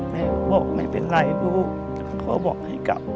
แม่บอกไม่เป็นไรลูกเขาบอกให้กลับ